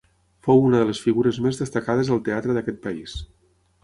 Fou una de les figures més destacades del teatre d'aquest país.